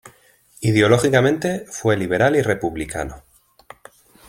Ideológicamente fue liberal y republicano.